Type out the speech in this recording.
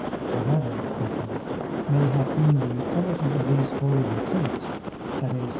Whatever, he says, may have been the utility of these holy retreats (i.e.